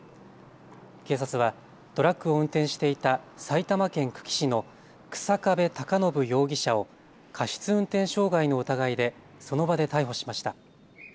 警察はトラックを運転していた埼玉県久喜市の日下部孝延容疑者を過失運転傷害の疑いでその場で逮捕しました。